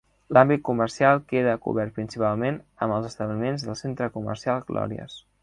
L'àmbit comercial queda cobert principalment amb els establiments del Centre Comercial Glòries.